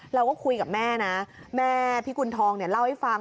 เราก็คุยกับแม่นะแม่พิกุณฑองเนี่ยเล่าให้ฟัง